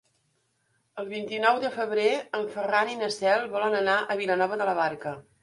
El vint-i-nou de febrer en Ferran i na Cel volen anar a Vilanova de la Barca.